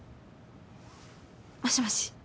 もしもし？